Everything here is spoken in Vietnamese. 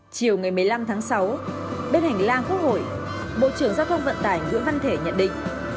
chiều ngày một mươi năm tháng sáu bên hành lang quốc hội bộ trưởng giao thông vận tải nguyễn văn thể nhận định